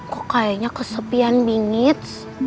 kok kayaknya kesepian bingits